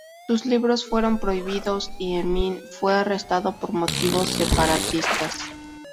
Sus libros fueron prohibidos y Emin fue arrestado por motivos separatistas.